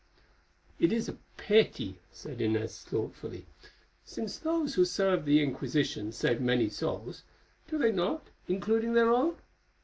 "It is a pity," said Inez thoughtfully, "since those who serve the Inquisition save many souls, do they not, including their own?